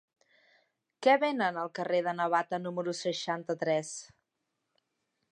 Què venen al carrer de Navata número seixanta-tres?